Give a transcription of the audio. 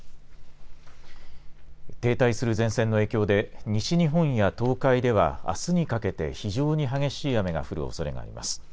停滞する前線の影響で、西日本や東海ではあすにかけて、非常に激しい雨が降るおそれがあります。